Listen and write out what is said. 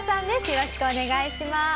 よろしくお願いします。